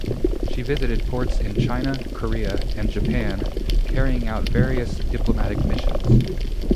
She visited ports in China, Korea, and Japan, carrying out various diplomatic missions.